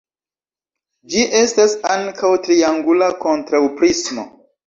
Ĝi estas ankaŭ triangula kontraŭprismo.